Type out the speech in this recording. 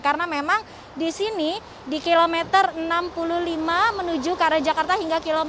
karena memang di sini di km enam puluh lima menuju ke arah jakarta hingga km empat puluh tujuh